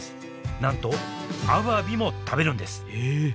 なんとアワビも食べるんですえ！